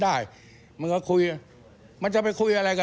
ที่มันก็มีเรื่องที่ดิน